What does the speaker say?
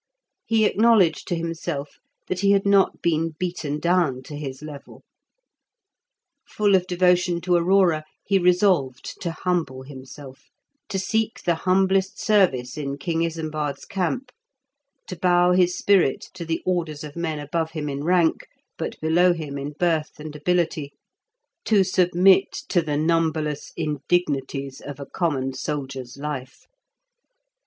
He acknowledged to himself that he had not been beaten down to his level. Full of devotion to Aurora, he resolved to humble himself, to seek the humblest service in King Isembard's camp, to bow his spirit to the orders of men above him in rank but below him in birth and ability, to submit to the numberless indignities of a common soldier's life.